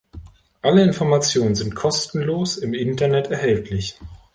Alle Informationen sind kostenlos im Internet erhältlich.